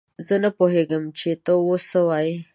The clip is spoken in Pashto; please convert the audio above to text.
زه نه پوهېږم چې ته اوس څه وايې!